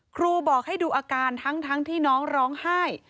ครูบอกให้ดูอาการทั้งที่น้องร้องไห้